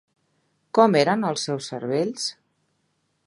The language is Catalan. Com eren els seus cervells?